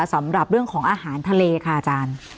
สำหรับเรื่องของอาหารทะเลค่ะอาจารย์